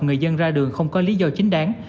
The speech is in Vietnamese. người dân ra đường không có lý do chính đáng